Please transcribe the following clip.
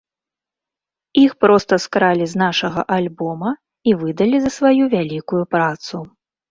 Іх проста скралі з нашага альбома і выдалі за сваю вялікую працу.